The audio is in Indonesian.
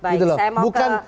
saya mau ke